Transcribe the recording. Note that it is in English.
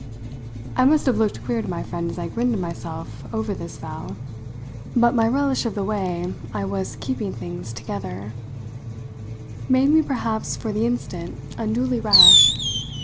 I must have looked queer to my friend as I grinned to myself over this vow; but my relish of the way I was keeping things together made me perhaps for the instant unduly rash.